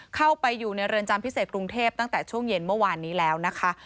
เข้าไปอยู่ในเรือนจำพิเศษกรุงเทพตั้งแต่ช่วงเย็นเมื่อวานนี้แล้วนะคะ